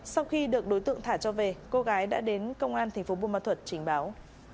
sau khi được đối tượng thả cho về cô gái đã đến công an thành phố buôn ma thuật trình báo